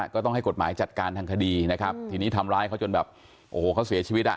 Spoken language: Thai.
ก็ต้องให้กฎหมายจัดการทางคดีนะครับทีนี้ทำร้ายเขาจนแบบโอ้โหเขาเสียชีวิตอ่ะ